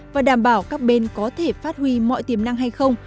và đảm bảo các bên có thể phát huy mọi tiềm năng hay không